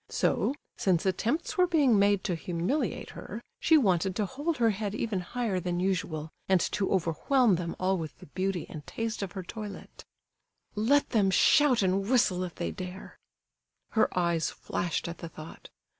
So, since attempts were being made to humiliate her, she wanted to hold her head even higher than usual, and to overwhelm them all with the beauty and taste of her toilette. "Let them shout and whistle, if they dare!" Her eyes flashed at the thought.